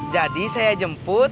tadi saya jemput